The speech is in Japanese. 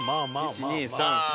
１２３４。